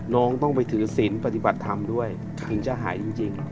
น้องต้องไปถือศิลป์ปฏิบัติธรรมด้วยถึงจะหายจริง